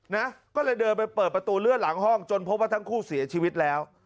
นะก็เลยเดินไปเปิดประตูเลื่อนหลังห้องจนพบว่าทั้งคู่เสียชีวิตแล้ว